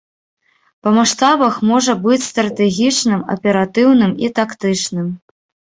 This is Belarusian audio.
Па маштабах можа быць стратэгічным, аператыўным і тактычным.